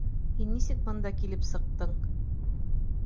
Һин нисек бында килеп сыҡтың?